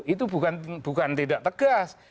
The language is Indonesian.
itu bukan tidak tegas